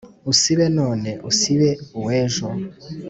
Usibe none, usibe uw’ejo